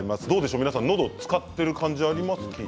どうでしょう、のどを使っている感じ、ありますか。